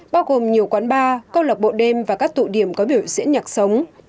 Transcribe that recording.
bao gồm nhiều quán bar câu lạc bộ đêm và các tụ điểm có biểu diễn nhạc sống